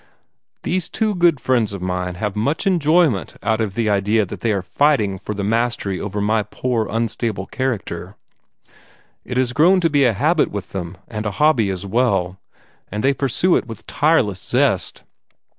"These two good friends of mine have much enjoyment out of the idea that they are fighting for the mastery over my poor unstable character. It has grown to be a habit with them, and a hobby as well, and they pursue it with tireless zest.